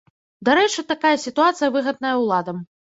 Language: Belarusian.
Дарэчы, такая сітуацыя выгадная ўладам.